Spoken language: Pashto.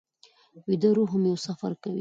ویده روح هم یو سفر کوي